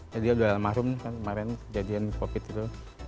jadi dia udah lahir mahrum kan kemarin kejadian covid gitu